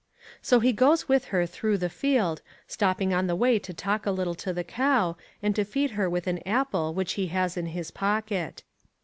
So he goes with her through the field, stopping on the way to talk a little to the cow, and to feed her with an apple which he has in his pocket.